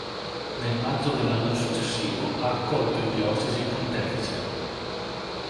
Nel maggio dell'anno successivo ha accolto in diocesi il pontefice.